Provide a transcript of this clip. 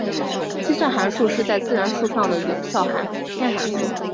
计算函数是在自然数上的有限偏函数。